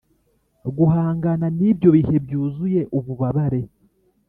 guhangana nibyo bihe byuzuye ububabare,